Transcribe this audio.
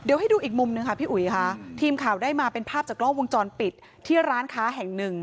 เดี๋ยวให้ดูอีกมุมหนึ่งค่ะพี่อุ๋ยค่ะทีมข่าวได้มาเป็นภาพจากกล้องวงจรปิดที่ร้านค้าแห่งหนึ่ง